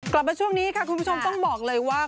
กลับมาช่วงนี้ค่ะคุณผู้ชมต้องบอกเลยว่า